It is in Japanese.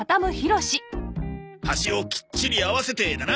端をきっちり合わせてだな。